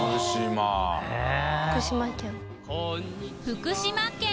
福島県。